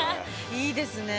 いいですね。